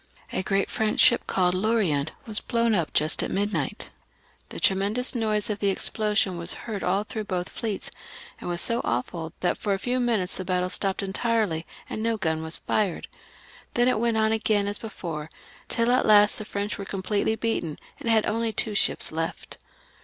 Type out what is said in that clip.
A great French ship called L'Orient was blown up just at midnight. The tremendous noise of the explosion was heard all through both fleets, and was so awful that for a few minutes the battle stopped entirely, and no gun was fired ; then it went on again as before, till at last the L.] DIRECTORY AND CONSULATE, 427 French were completely beaten, and had only two ships left.